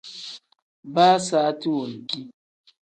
Baa saati wenki.